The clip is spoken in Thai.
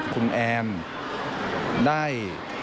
คุณแอนได้